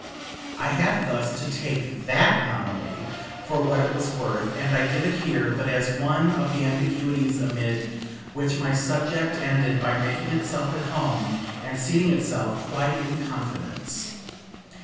I had thus to take THAT anomaly for what it was worth, and I give it here but as one of the ambiguities amid which my subject ended by making itself at home and seating itself quite in confidence.